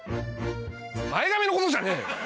前髪のことじゃねえよ。